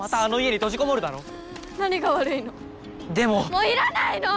もういらないの！